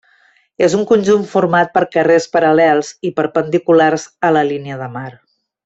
És un conjunt format per carrers paral·lels i perpendiculars a la línia de mar.